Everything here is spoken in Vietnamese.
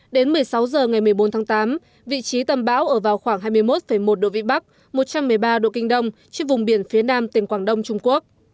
đến một mươi sáu h ngày một mươi bốn tháng tám vị trí tâm bão ở vào khoảng hai mươi một một độ vĩ bắc một trăm một mươi ba độ kinh đông trên vùng biển phía nam tỉnh quảng đông trung quốc